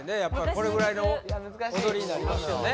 これぐらいの踊りになりますよね